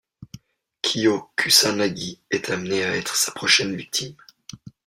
Kyo Kusanagi est amené à être sa prochaine victime.